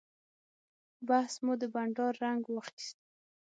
بحث مو د بانډار رنګ واخیست.